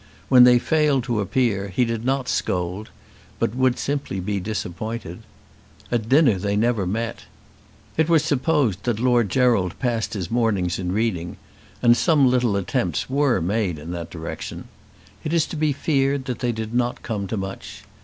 When they failed to appear, he did not scold, but would simply be disappointed. At dinner they never met. It was supposed that Lord Gerald passed his mornings in reading, and some little attempts were made in that direction. It is to be feared they did not come to much.